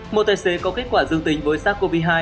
một tài xế có kết quả dương tính với sars cov hai